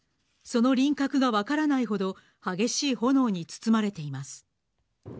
その輪郭が分からないほど、激しい炎に包まれています。